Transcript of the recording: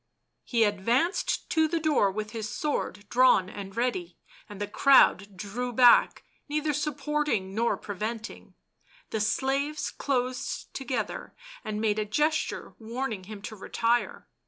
He advanced to the door with his sword drawn and ready, and the crowd drew back neither supporting nor preventing ; the slaves closed together, and made a gesture warning him to retire.